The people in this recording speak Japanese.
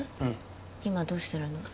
今どうしてるの？